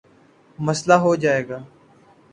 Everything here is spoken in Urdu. مسلہ ہو جائے گا